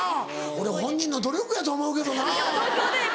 俺本人の努力やと思うけどな。